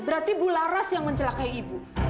berarti bularas yang mencelakai ibu